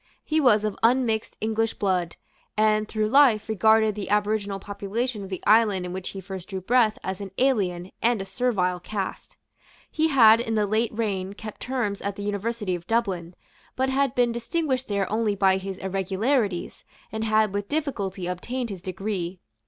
He was of unmixed English blood, and, through life, regarded the aboriginal population of the island in which he first drew breath as an alien and a servile caste. He had in the late reign kept terms at the University of Dublin, but had been distinguished there only by his irregularities, and had with difficulty obtained his degree.